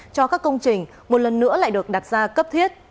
cho các công trình một lần nữa lại được đặt ra cấp thiết